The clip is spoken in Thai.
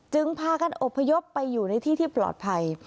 พากันอบพยพไปอยู่ในที่ที่ปลอดภัย